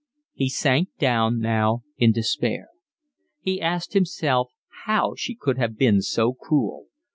He sank down now in despair. He asked himself how she could have been so cruel.